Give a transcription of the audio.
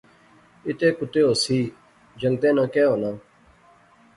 اتے کتے ہوسی، جنگتیں ناں کہہ ہونا